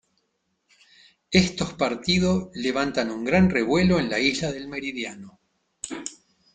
Estos partido levantan un gran revuelo en la isla del meridiano.